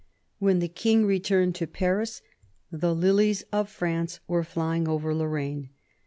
When the King returned to Paris the lilies of France were flying over Lorraine.